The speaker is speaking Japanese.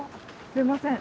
すみません。